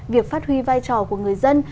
việc phát huy vai trò của người dân